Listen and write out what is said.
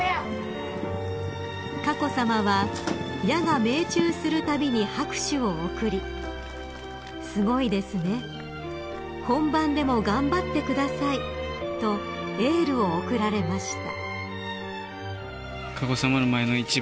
［佳子さまは矢が命中するたびに拍手を送り「すごいですね。本番でも頑張ってください」とエールを送られました］